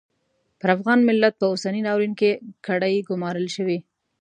پر افغان ملت په اوسني ناورین کې کړۍ ګومارل شوې.